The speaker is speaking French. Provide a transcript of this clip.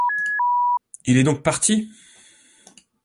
Il est donc parti?